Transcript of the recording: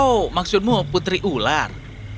oh maksudmu putri ular